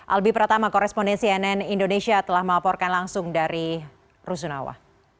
albi pratama korespondensi nn indonesia telah mengaporkan langsung dari rusun nawa